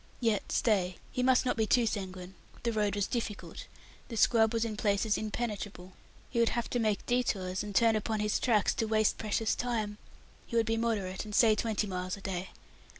Yet stay; he must not be too sanguine; the road was difficult; the scrub was in places impenetrable. He would have to make détours, and turn upon his tracks, to waste precious time. He would be moderate, and say twenty miles a day.